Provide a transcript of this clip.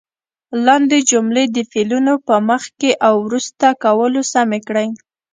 لاندې جملې د فعلونو په مخکې او وروسته کولو سمې کړئ.